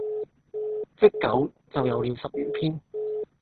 積久就有了十餘篇。